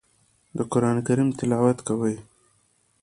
د قران کریم تلاوت کوي.